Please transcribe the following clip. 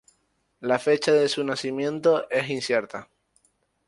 La fecha de su nacimiento es incierta.